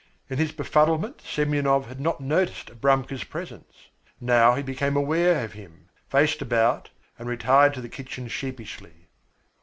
In his befuddlement, Semyonov had not noticed Abramka's presence. Now he became aware of him, faced about and retired to the kitchen sheepishly.